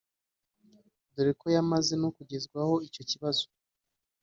dore ko yamaze no kugezwaho icyo kibazo